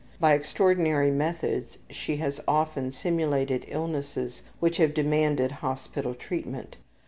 By extraordinary methods she has often simulated illnesses which have demanded hospital treatment.